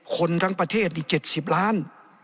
คนทั้งประเทศนี่๗๐ล้าน